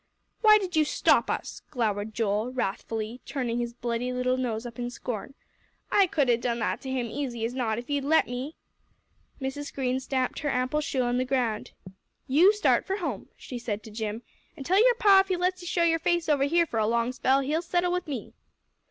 "Why did you stop us?" glowered Joel, wrathfully, turning his bloody little nose up in scorn. "I could 'a' done that to him's easy as not, if you'd let me." Mrs. Green stamped her ample shoe on the ground. "You start for home," she said to Jim, "an' tell your Pa if he lets you show your face over here for a long spell, he'll settle with me."